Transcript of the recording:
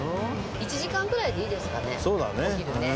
１時間くらいでいいですかねお昼ね。